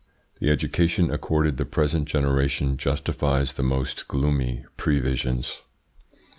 The education accorded the present generation justifies the most gloomy previsions.